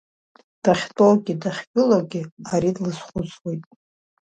Дахьтәоугьы дахьгылоугьы ари длызхәыцуеит.